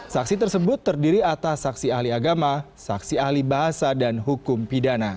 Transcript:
saksi tersebut terdiri atas saksi ahli agama saksi ahli bahasa dan hukum pidana